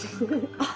あっ！